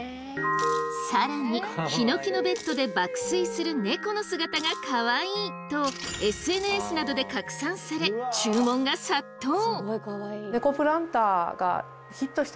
更にヒノキのベッドで爆睡する猫の姿がかわいいとＳＮＳなどで拡散され注文が殺到！